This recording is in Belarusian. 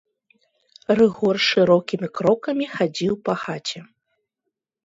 Рыгор шырокімі крокамі хадзіў па хаце.